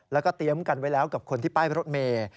แล้วก็เตรียมกันไว้แล้วกับคนที่ป้ายรถเมย์